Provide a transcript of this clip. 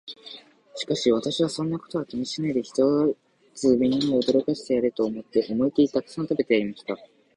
しかし私は、そんなことは気にしないで、ひとつみんなを驚かしてやれと思って、思いきりたくさん食べてやりました。